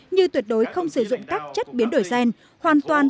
như tuyệt đối không sử dụng các chất biến đổi xen